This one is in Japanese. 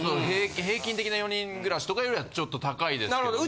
平均的な４人暮らしとかよりはちょっと高いですけども。